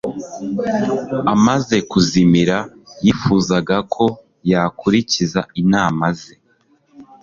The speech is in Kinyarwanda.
Amaze kuzimira, yifuzaga ko yakurikiza inama ze.